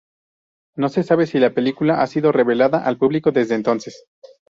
No se sabe si la película ha sido revelada al público desde entonces.